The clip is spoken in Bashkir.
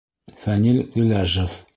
Фәнил ҒИЛӘЖЕВ